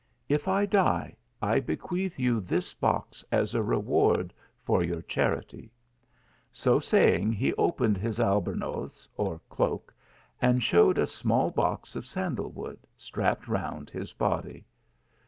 If I die I Bequeath you this box as a reward for your charity." So saying, he opened his albornoz, or cloak, and showed a small box of sand a. I wood, strapped round his body.